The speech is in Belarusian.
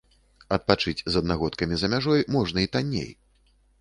Адпачыць з аднагодкамі за мяжой можна і танней.